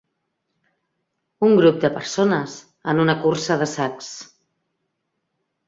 Un grup de persones en una cursa de sacs.